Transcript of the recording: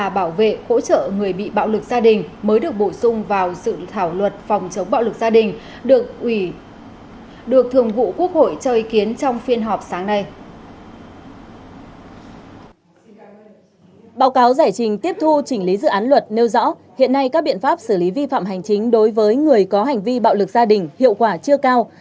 báo cáo giải trình tiếp thu chỉnh lý dự án luật nêu rõ hiện nay các biện pháp xử lý vi phạm hành chính đối với người có hành vi bạo lực gia đình hiệu quả chưa cao